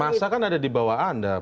masa kan ada di bawah anda